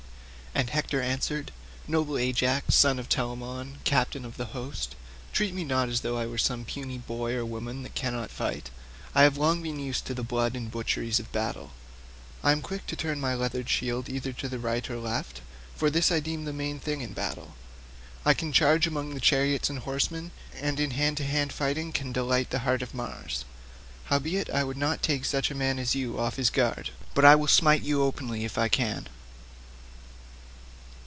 And Hector answered, "Noble Ajax, son of Telamon, captain of the host, treat me not as though I were some puny boy or woman that cannot fight. I have been long used to the blood and butcheries of battle. I am quick to turn my leathern shield either to right or left, for this I deem the main thing in battle. I can charge among the chariots and horsemen, and in hand to hand fighting can delight the heart of Mars; howbeit I would not take such a man as you are off his guard—but I will smite you openly if I can."